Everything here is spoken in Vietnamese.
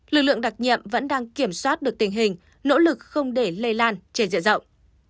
lực lượng đặc nhiệm vẫn đang kiểm soát được tình hình nỗ lực không để lây lan trên diện rộng